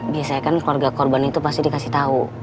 biasanya kan keluarga korban itu pasti dikasih tahu